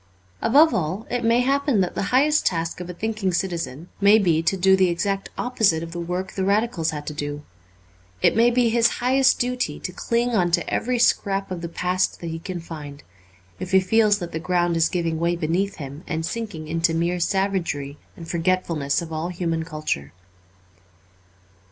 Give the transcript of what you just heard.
Above all, it may happen that the highest task of a thinking citizen may be to do the exact opposite of the work the Radicals had to do. It may be his highest duty to cling on to every scrap of the past that he can find, if he feels that the ground is giving way beneath him and sinking into mere savagery and forgetfulness of all human culture.